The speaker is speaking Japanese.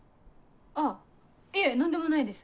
あっいえ何でもないです。